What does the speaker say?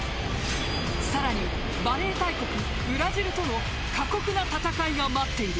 更に、バレー大国ブラジルとの過酷な戦いが待っている。